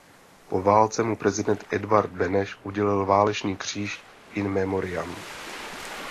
Po válce mu prezident Edvard Beneš udělil Válečný kříž in memoriam.